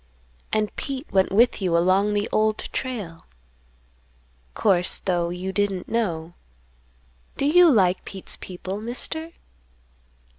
And Pete went with you along the Old Trail. Course, though, you didn't know. Do you like Pete's people, Mister?"